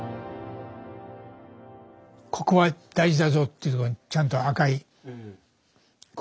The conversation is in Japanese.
ここは大事だぞっていうところにちゃんと赤い。